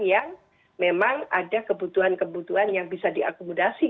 yang memang ada kebutuhan kebutuhan yang bisa diakomodasi